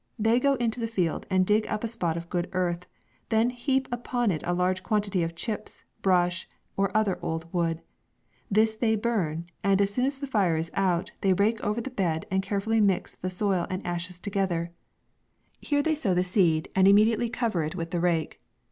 They go into the field, and dig up a spot of good earth, then heap upon it a large quanti ty of chips, brush, or other old wood ; this they burn, and as soon as the fire is out, they rake over the bed, and carefully mix the soil and ashes together ; here they sow the seed. MAY. 77 and immediately cover it with the rake.